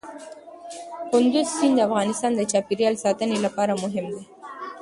کندز سیند د افغانستان د چاپیریال ساتنې لپاره مهم دی.